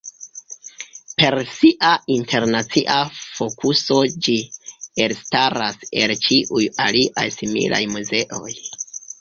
Per sia internacia fokuso ĝi elstaras el ĉiuj aliaj similaj muzeoj.